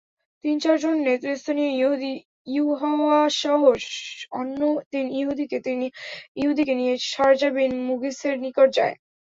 তিন-চারজন নেতৃস্থানীয় ইহুদী ইউহাওয়াসহ অন্য তিন ইহুদীকে নিয়ে শারযা বিন মুগীছের নিকট যায়।